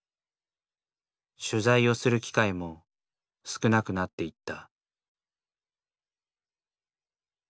取材をする機会も少なくなっていった。